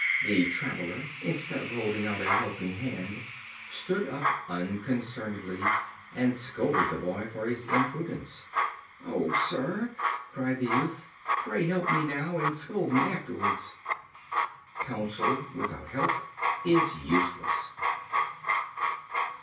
The traveler, instead of holding out a helping hand, stood up unconcernedly, and scolded the boy for his imprudence. "Oh, sir!" cried the youth, "pray help me now, and scold me afterwards." Counsel, without help, is useless.